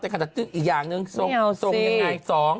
แต่คืออีกอย่างหนึ่งทรงยังไง